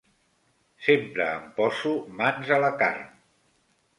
Sempre em poso mans a la carn.